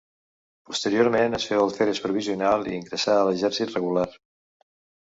Posteriorment es féu alferes provisional i ingressà a l'exèrcit regular.